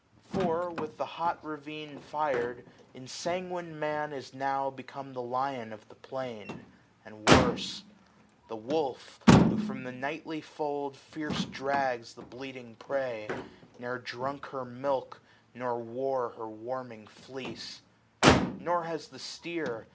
For, with hot ravine fir'd, ensanguined Man Is now become the lion of the plain, 340 And worse. The wolf, who from the nightly fold Fierce drags the bleating prey, ne'er drunk her milk Nor wore her warming fleece : Nor has the steer.